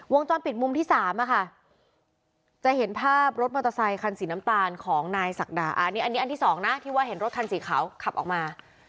วงจรปิดมุมที่๓จะเห็นภาพรถมอเตอร์ไซคันสีน้ำตาลของนายศักดาอันนี้อันนี้อันที่สองนะที่ว่าเห็นรถคันสีขาวขับออกมา